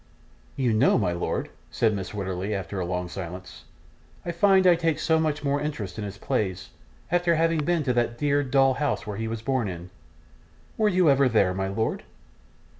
'Do you know, my lord,' said Mrs. Wititterly, after a long silence, 'I find I take so much more interest in his plays, after having been to that dear little dull house he was born in! Were you ever there, my lord?